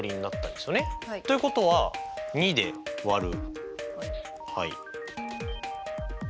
ということは２で割る。